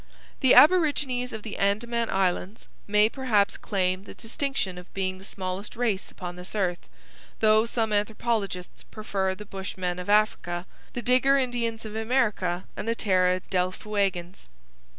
'The aborigines of the Andaman Islands may perhaps claim the distinction of being the smallest race upon this earth, though some anthropologists prefer the Bushmen of Africa, the Digger Indians of America, and the Terra del Fuegians.